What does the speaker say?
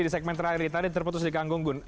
di segmen terakhir tadi terputus di kang gunggun